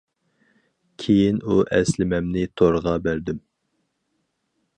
كېيىن، ئۇ ئەسلىمەمنى تورغا بەردىم.